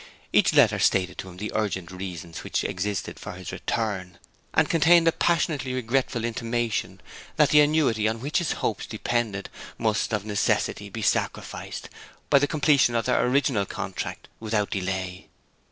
Each letter stated to him the urgent reasons which existed for his return, and contained a passionately regretful intimation that the annuity on which his hopes depended must of necessity be sacrificed by the completion of their original contract without delay.